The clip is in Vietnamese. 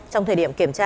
trong thời điểm kiểm tra